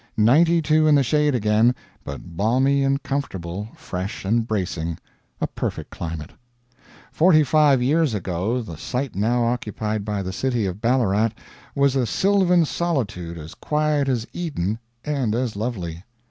Ninety two in the shade again, but balmy and comfortable, fresh and bracing. A perfect climate. Forty five years ago the site now occupied by the City of Ballarat was a sylvan solitude as quiet as Eden and as lovely.